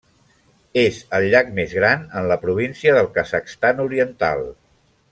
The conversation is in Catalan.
És el llac més gran en la Província del Kazakhstan Oriental.